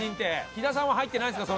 喜田さんは入ってないんですか？